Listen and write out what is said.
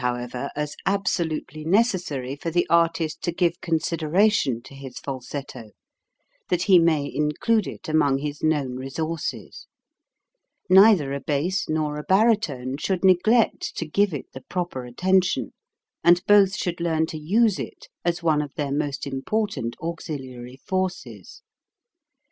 THE HIGHEST HEAD TONES 177 ever, as absolutely necessary for the artist to give consideration to his falsetto, that he may include it among his known resources. Neither a bass nor a baritone should neglect to give it the proper attention, and both should learn to use it as one of their most important auxiliary forces.